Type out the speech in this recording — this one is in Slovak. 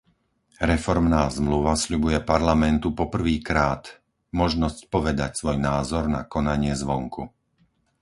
Reformná zmluva sľubuje Parlamentu po prvýkrát možnosť povedať svoj názor na konanie zvonku.